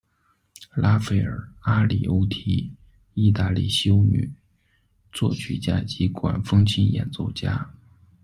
拉斐乐·阿里欧缇，义大利修女、作曲家及管风琴演奏家。